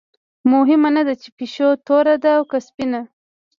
مهمه نه ده چې پیشو توره ده او که سپینه.